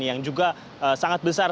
yang juga sangat besar